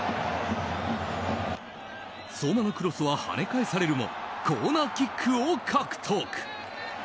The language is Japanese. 相馬のクロスは跳ね返されるもコーナーキックを獲得。